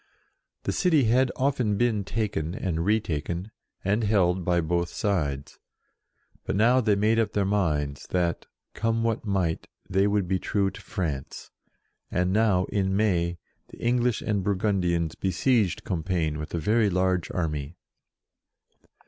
The city had often been taken and retaken, and held by both sides. But now they made up their minds that, come what might, they would be true to France, and now, in May, the English and Burgundians besieged Compiegne with a very large army.